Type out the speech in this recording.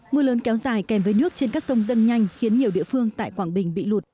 mưa lớn kéo dài kèm với nước trên các sông dâng nhanh khiến nhiều địa phương tại quảng bình bị lụt